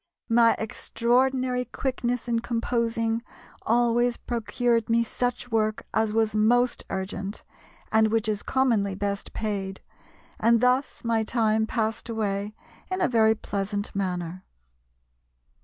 My extraordinary quickness in composing always procured me such work as was most urgent, and which is commonly best paid; and thus my time passed away in a very pleasant manner."